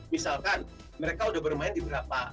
misalkan mereka udah bermain di berapa